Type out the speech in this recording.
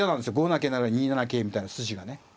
５七桂成２七桂みたいな筋がね。